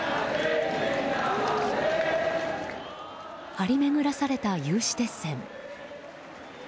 張り巡らされた有刺鉄線。